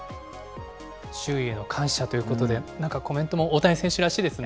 周囲への感謝ということで、なんかコメントも大谷選手らしいですね。